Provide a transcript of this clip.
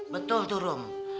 betul tuh rum